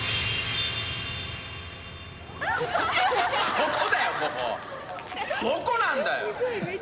どこだ、ここ、どこなんだよ！